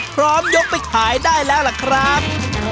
ยกไปขายได้แล้วล่ะครับ